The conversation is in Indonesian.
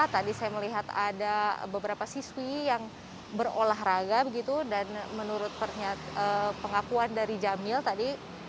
tadi saya melihat ada beberapa siswi yang berolahraga begitu dan menurut pengakuan dari jamil tadi